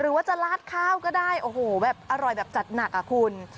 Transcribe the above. หรือว่าจะลาดข้าวก็ได้อร่อยแบบจัดหนักคุณ